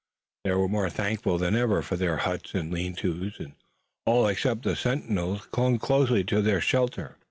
They were more thankful than ever for their huts and lean tos, and all except the sentinels clung closely to their shelter.